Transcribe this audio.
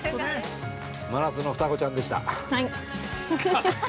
◆真夏の双子ちゃんでした。